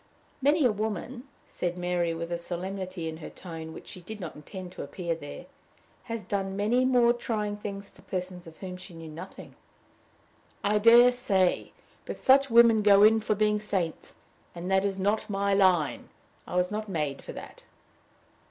"Many a woman," said Mary, with a solemnity in her tone which she did not intend to appear there, "has done many more trying things for persons of whom she knew nothing." "I dare say! But such women go in for being saints, and that is not my line. I was not made for that."